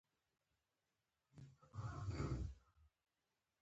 عکسونه په سرو پاکټو کې وو، خان زمان بارکلي راښکاره کړل.